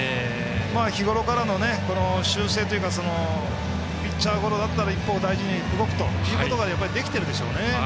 日ごろからの修正というかピッチャーゴロだったら一歩を大事に動くというのができてるんでしょうね。